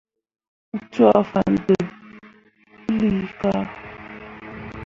Mu cwaa fan deb puilika.